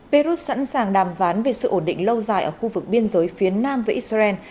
peru sẵn sàng đàm ván về sự ổn định lâu dài ở khu vực biên giới phía nam với israel